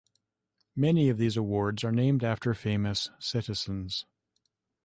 Many of these awards are named after famous citizens.